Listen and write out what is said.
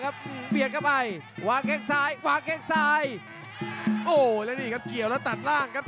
บริเวณแม่เหนือศีรษะครับ